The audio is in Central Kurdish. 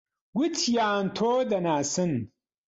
گوتیان تۆ دەناسن.